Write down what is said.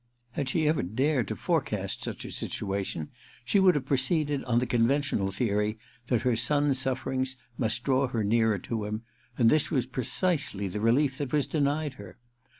Had she ever dared to forecast such a situation, she would have proceeded on the conventional theory that her son's suffering must draw her nearer to him ; and this was precisely the relief that was denied her.